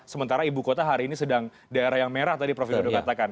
sementara ibu kota hari ini sedang daerah yang merah tadi prof widodo katakan